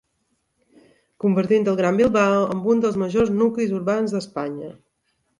Convertint El Gran Bilbao en un dels majors nuclis urbans d'Espanya.